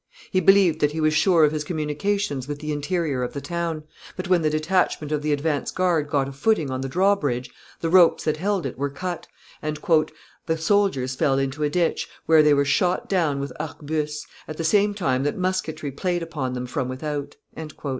He believed that he was sure of his communications with the interior of the town; but when the detachment of the advance guard got a footing on the draw bridge the ropes that held it were cut, and "the soldiers fell into a ditch, where they were shot down with arquebuses, at the same time that musketry played upon them from without."